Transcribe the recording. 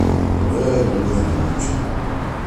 Bɣiɣ ayen-nniḍen i wučči.